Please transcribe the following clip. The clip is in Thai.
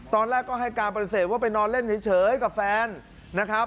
ตอนแรกก็ให้การปฏิเสธว่าไปนอนเล่นเฉยกับแฟนนะครับ